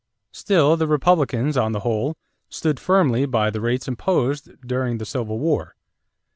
Still the Republicans on the whole stood firmly by the rates imposed during the Civil War.